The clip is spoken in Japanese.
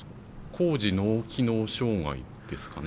高次脳機能障害ですかね。